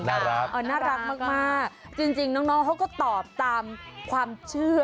น่ารักมากจริงน้องเขาก็ตอบตามความเชื่อ